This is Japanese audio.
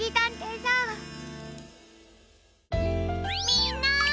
みんな！